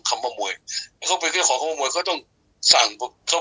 คำว่ามวยเขาเป็นเจ้าของคำว่ามวยเขาต้องสั่งเขา